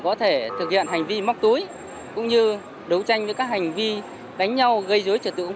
đồng thời tiến hành phân luồng hướng dẫn các phương tiện đảm bảo giao thông suốt tránh xảy ra ủ tắc